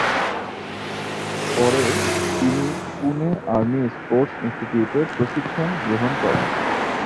পরে, তিনি Pune army sports ইনস্টিটিউটে প্রশিক্ষণ গ্রহণ করেন।